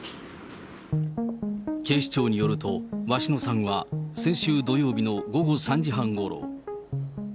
警視庁によると、鷲野さんは先週土曜日の午後３時半ごろ。